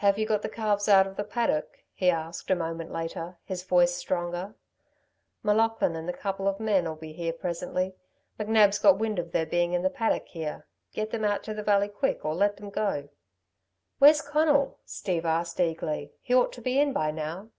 "Have you got the calves out of the paddock?" he asked a moment later, his voice stronger. "M'Laughlin and a couple of men'll be here presently. McNab's got wind of their being in the paddock, here. Get them out to the valley quick, or let them go." "Where's Conal?" Steve asked eagerly; "he ought to be in by now."